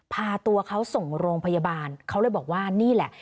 พาตัวเขาส่งโรงพยาบาลเขาเลยบอกว่านี่แหละ